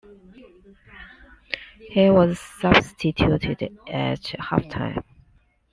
He was substituted at half-time.